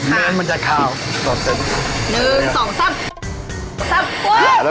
ไม่งั้นมันจะเคา